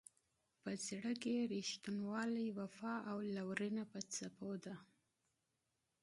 په زړه کې یې رښتینولي، وفا او لورینه په څپو ده.